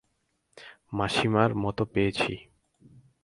মাসিমার মত পেয়েছি।